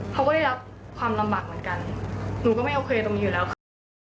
เขาก็ได้รับความลำบากเหมือนกันหนูก็ไม่โอเคตรงนี้อยู่แล้วคือ